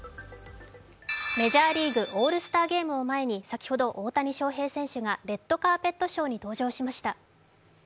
メジャーリーグ、オールスターゲームを前に、先ほど大谷翔平選手がレッドカーペットショーに登場しました。